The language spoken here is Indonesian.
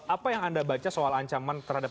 apa yang anda baca soal ancaman terhadap